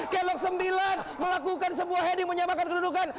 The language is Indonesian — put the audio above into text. kelok sembilan melakukan sebuah heading menyamakan kedudukan